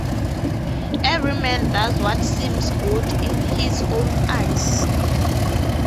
Every man does what seems good in his own eyes.